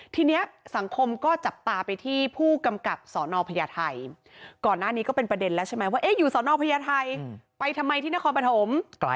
ทีนี้สังคมก็จับตาไปที่ผู้กำกับสนพญาไทยก่อนหน้านี้ก็เป็นประเด็นแล้วใช่ไหมว่าอยู่สอนอพญาไทยไปทำไมที่นครปฐม